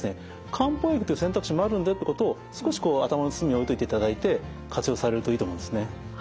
漢方薬っていう選択肢もあるんだよってことを少し頭の隅に置いといていただいて活用されるといいと思うんですね。